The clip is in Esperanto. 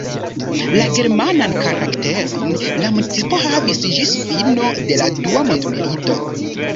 La germanan karakteron la municipo havis ĝis fino de la dua mondmilito.